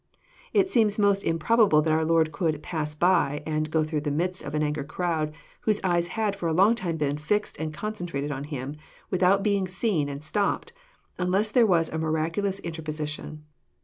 It seems most improbable that our Lord could " pass by " and " go through the midst " of &n angry crowd, whose eyes had for a long time been fixed and concentrated on Him, without being seen and stopped, unless there was a miraculous interposition.